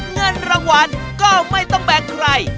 เงินรางวัลก็ไม่ต้องแบ่งใคร